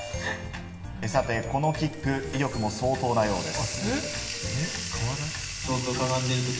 さて、このキック、威力も相当なようです。